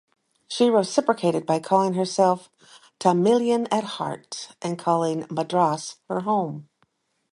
She reciprocated by calling herself "Tamilian at heart" and calling Madras her home.